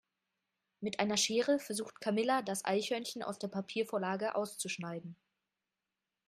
Mit einer Schere versucht Camilla das Eichhörnchen aus der Papiervorlage auszuschneiden.